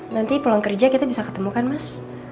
nanti pulang kerja kita bisa ketemu kan mas